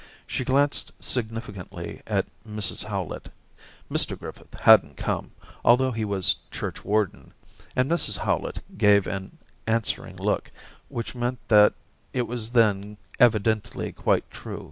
She glanced significantly at Mrs Howlett. Mr Griffith hadn't come, although he was churchwarden, and Mrs Howlett gave an. answering look which meant that it was then evidently quite true.